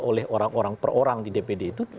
oleh orang orang per orang di dpd itu